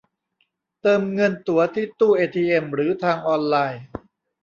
เติมเงินตั๋วที่ตู้เอทีเอ็มหรือทางออนไลน์